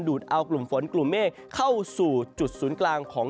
ดเอากลุ่มฝนกลุ่มเมฆเข้าสู่จุดศูนย์กลางของ